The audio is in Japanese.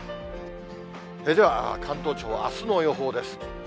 では関東地方、あすの予報です。